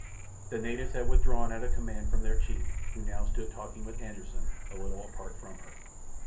The natives had withdrawn at a command from their chief, who now stood talking with Anderssen, a little apart from her.